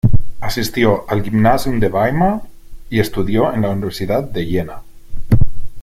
Asistió al Gymnasium de Weimar y estudió en la Universidad de Jena.